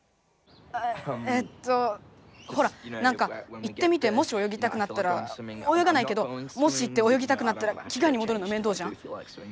あえっとほらなんか行ってみてもしおよぎたくなったらおよがないけどもし行っておよぎたくなったらきがえにもどるのめんどうじゃん。